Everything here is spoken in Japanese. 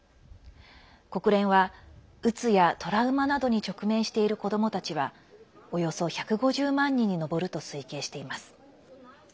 国連は、うつやトラウマなどに直面している子どもたちはおよそ１５０万人に上ると推計しています。